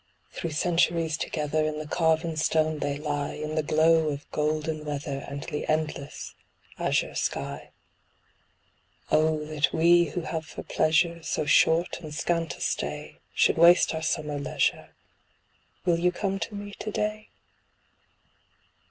Through centuries together, in the carven stone they lie, In the glow of golden weather, and endless azure sky. Oh, that we, who have for pleasure so short & scant a stay, Should waste our summer leisure; will you come to me to day?